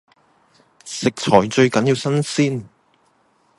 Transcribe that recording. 食材最緊要新鮮